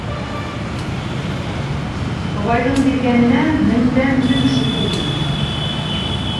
- Хоҙайҙың биргәненә меңдән-мең шөкөрмөн.